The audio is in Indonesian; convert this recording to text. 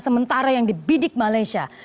sementara yang dibidik malaysia